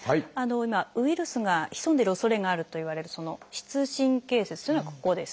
今ウイルスが潜んでいるおそれがあるといわれる膝神経節というのがここですね。